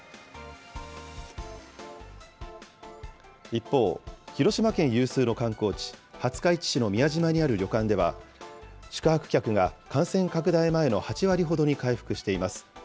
一方、広島県有数の観光地、廿日市市の宮島にある旅館では、宿泊客が感染拡大前の８割ほどに回復しています。